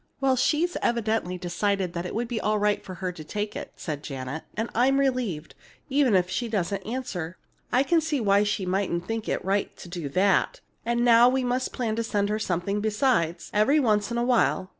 "Well, she's evidently decided that it would be all right for her to take it," said Janet; "and I'm relieved, even if she doesn't answer. I can see why she mightn't think it right to do that. And now we must plan to send her something besides, every once in a while.